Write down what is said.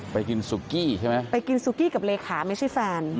ไปกินซุกี้ใช่ไหมไปกินซุกี้กับเลขาไม่ใช่แฟน